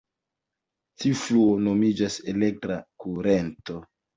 Tiu fluo nomiĝas "elektra kurento".